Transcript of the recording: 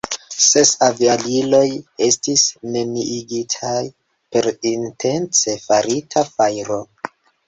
Ses aviadiloj estis neniigitaj per intence farita fajro.